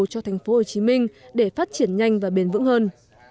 cho tp hcm để phát triển nhanh và bền vững hơn